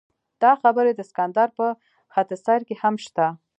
دا خبرې د سکندر په خط سیر کې هم شته.